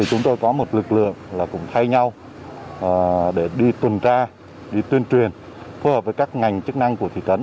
chúng tôi có một lực lượng cũng thay nhau để đi tuần tra đi tuyên truyền phù hợp với các ngành chức năng của thị trấn